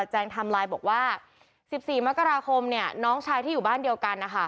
งไทม์ไลน์บอกว่า๑๔มกราคมน้องชายที่อยู่บ้านเดียวกันนะคะ